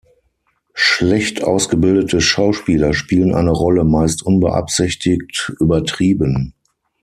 Schlecht ausgebildete Schauspieler spielen eine Rolle meist unbeabsichtigt „übertrieben“.